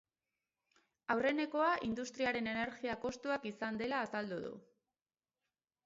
Aurrenekoa industriaren energia kostuak izan dela azaldu du.